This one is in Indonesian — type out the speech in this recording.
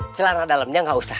celana dalamnya gak usah